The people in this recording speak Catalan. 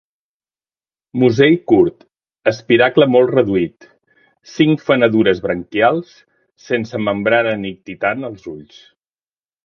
Musell curt, espiracle molt reduït, cinc fenedures branquials, sense membrana nictitant als ulls.